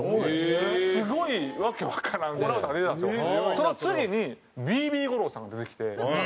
その次にＢＢゴローさんが出てきて。